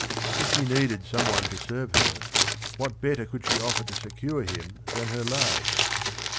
If she needed some one to serve her, what better could she offer to secure him than her love?